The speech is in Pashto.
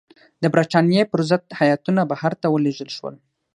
د برټانیې پر ضد هیاتونه بهر ته ولېږل شول.